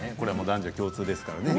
男女共通ですからね。